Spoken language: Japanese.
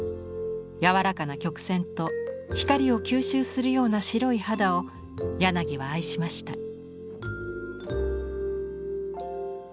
やわらかな曲線と光を吸収するような白い肌を柳は愛しました。